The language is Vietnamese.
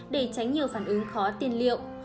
để tránh nhiều phản ứng khó tiền liệu